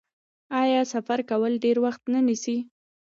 آیا سفر کول ډیر وخت نه نیسي؟